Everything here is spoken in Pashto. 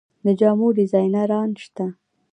د جامو ډیزاینران شته؟